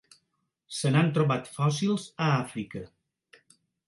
Se n'han trobat fòssils a Àfrica.